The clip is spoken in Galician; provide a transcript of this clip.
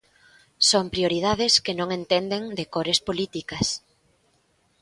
Son prioridades que non entenden de cores políticas.